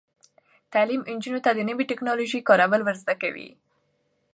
تعلیم نجونو ته د نوي ټیکنالوژۍ کارول ور زده کوي.